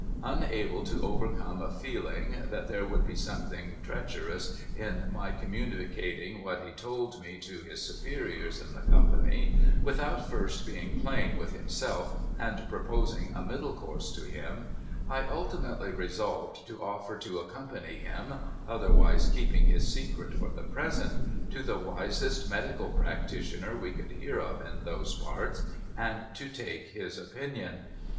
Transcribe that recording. Unable to overcome a feeling that there would be something treacherous in my communicating what he had told me to his superiors in the Company, without first being plain with himself and proposing a middle course to him, I ultimately resolved to offer to accompany him (otherwise keeping his secret for the present) to the Avisest medical practitioner we could hear of in those parts, and to take his opinion.